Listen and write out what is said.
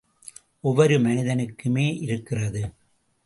ஒவ்வொரு மனிதனுக்குமே இருக்கிறது!